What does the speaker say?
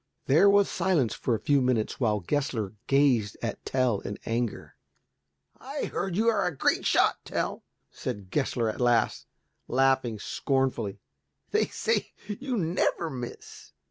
There was silence for a few minutes while Gessler gazed at Tell in anger. "I hear you are a great shot, Tell," said Gessler at last, laughing scornfully, "they say you never miss."